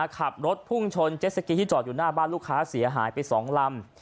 ขับรถพุ่งชนเจ็ดสกีที่จอดอยู่หน้าบ้านลูกค้าเสียหายไป๒ลำ